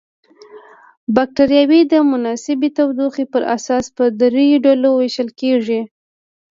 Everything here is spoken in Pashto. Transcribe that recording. بکټریاوې د مناسبې تودوخې پر اساس په دریو ډلو ویشل کیږي.